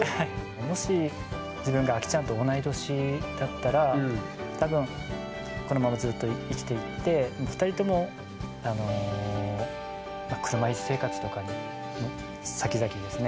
もし自分がアキちゃんと同い年だったら多分このままずっと生きていって２人ともあの車いす生活とかにさきざきですね